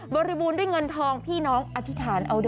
บริบูรณ์ด้วยเงินทองพี่น้องอธิษฐานเอาด้วย